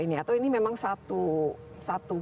ini atau ini memang satu